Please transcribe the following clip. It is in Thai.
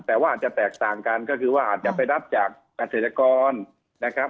แต่ว่าอาจจะแตกต่างกันก็คือว่าอาจจะไปรับจากเกษตรกรนะครับ